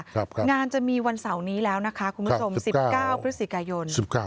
งานจะมีวันเสาร์นี้แล้วนะคะคุณผู้ชม๑๙พฤศจิกายน